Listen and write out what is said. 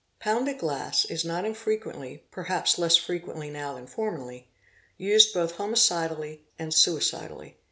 Pounded glass is not infrequently, perhaps less frequently now than formerly, used both homicidally and suicidally.